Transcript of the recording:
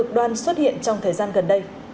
được đoan xuất hiện trong thời gian gần đây